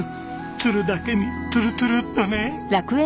都留だけにツルツルっとね。